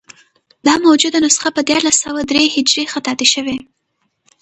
دا موجوده نسخه په دیارلس سوه درې هجري خطاطي شوې.